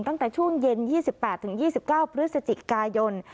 ตั้งแต่ช่วงเย็น๒๘๒๙พฤศจิกายน